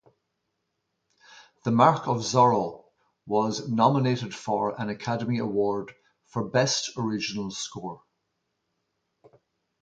"The Mark of Zorro" was nominated for an Academy Award for Best original score.